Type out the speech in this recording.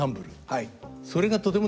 はい。